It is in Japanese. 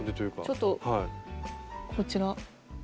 ちょっとこちら。